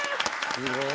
すごい。